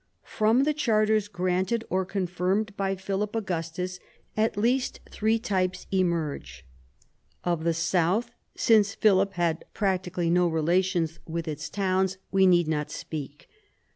From the charters granted or confirmed by Philip Augustus at least three types emerge. Of the south, since Philip had practically no relations with its towns, 148 PHILIP AUGUSTUS chap. we need not speak.